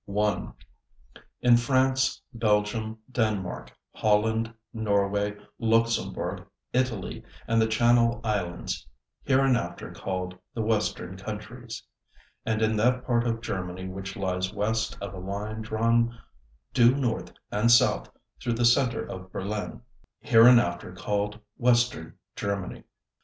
1. _In France, Belgium, Denmark, Holland, Norway, Luxembourg, Italy, and the Channel Islands (hereinafter called the "Western Countries") and in that part of Germany which lies west of a line drawn due north and south through the center of Berlin (hereinafter called "Western Germany").